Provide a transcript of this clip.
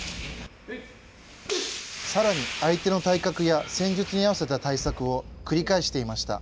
さらに、相手の体格や戦術に合わせた対策を繰り返していました。